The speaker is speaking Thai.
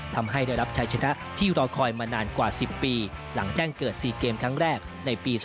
ทำให้ได้รับชัยชนะที่รอคอยมานานกว่า๑๐ปีหลังแจ้งเกิด๔เกมครั้งแรกในปี๒๕๖